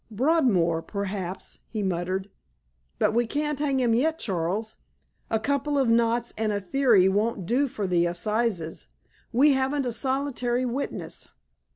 "Broadmoor—perhaps," he muttered. "But we can't hang him yet, Charles. A couple of knots and a theory won't do for the Assizes. We haven't a solitary witness.